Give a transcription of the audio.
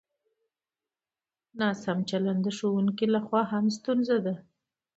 ناسم چلند د ښوونکو له خوا هم ستونزه ده.